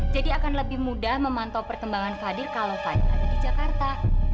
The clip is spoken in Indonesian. jadi akan lebih mudah memantau perkembangan fadil kalau fadil ada di jakarta